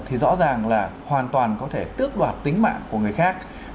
thì rõ ràng là hoàn toàn có thể tước đoạt tính mạng của người khác